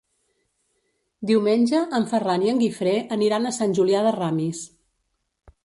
Diumenge en Ferran i en Guifré aniran a Sant Julià de Ramis.